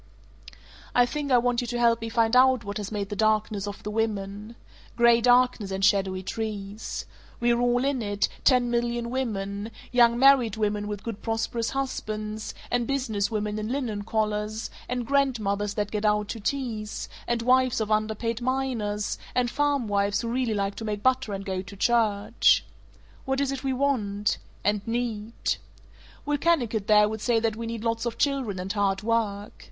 "I think I want you to help me find out what has made the darkness of the women. Gray darkness and shadowy trees. We're all in it, ten million women, young married women with good prosperous husbands, and business women in linen collars, and grandmothers that gad out to teas, and wives of under paid miners, and farmwives who really like to make butter and go to church. What is it we want and need? Will Kennicott there would say that we need lots of children and hard work.